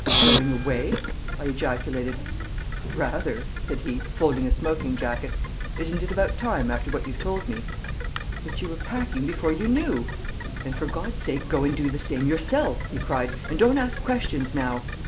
"Going away?" I ejaculated. "Rather!" said he, folding a smoking jacket. "Isn't it about time after what you've told me?" "But you were packing before you knew!" "Then for God's sake go and do the same yourself!" he cried, "and don't ask questions now.